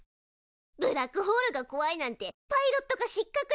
ブラックホールがこわいなんてパイロット科失格ね。